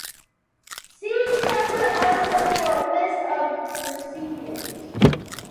See separate article for a list of recipients.